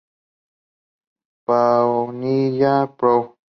Punilla, Prov.